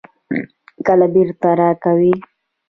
کله بیرته راکوئ؟